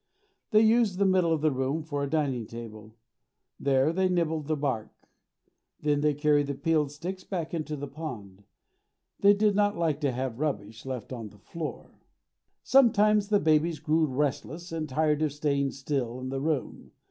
They used the middle of the room for a dining table. There they nibbled the bark. Then they carried the peeled sticks back into the pond. They did not like to have rubbish left on the floor. Sometimes the babies grew restless and tired of staying still in the room.